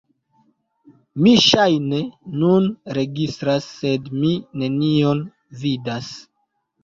Mi ŝajne nun registras sed mi nenion vidas